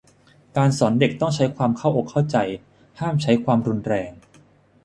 การสอนเด็กต้องใช้ความเข้าอกเข้าใจ ห้ามใช้ความรุนแรง